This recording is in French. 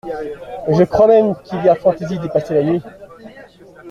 Je crois même qu'il a fantaisie d'y passer la nuit.